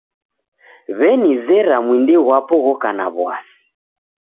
W'enizera mwindi ghwapo ghoka na w'asi.